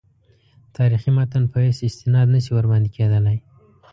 تاریخي متن په حیث استناد نه شي ورباندې کېدلای.